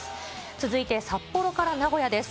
続いて札幌から名古屋です。